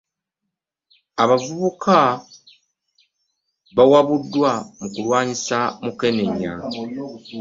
Abavubuka bawabudwa mu kulwanisa mukenenya.